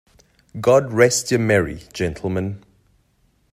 God rest ye merry, gentlemen.